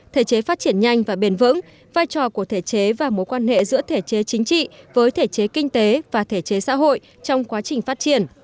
thể chế phát triển nhanh và bền vững vai trò của thể chế và mối quan hệ giữa thể chế chính trị với thể chế kinh tế và thể chế xã hội trong quá trình phát triển